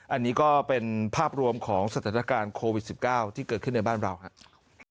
อันนี้ก็เป็นภาพรวมของสถานการณ์โควิด๑๙ที่เกิดขึ้นในบ้านเราครับ